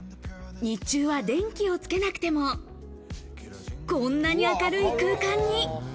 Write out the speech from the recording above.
日中は電気をつけなくても、こんなに明るい空間に。